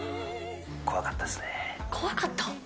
怖かった？